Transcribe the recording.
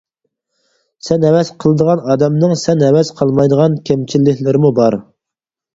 سەن ھەۋەس قىلىدىغان ئادەمنىڭ سەن ھەۋەس قىلمايدىغان كەمچىللىكلىرىمۇ بار.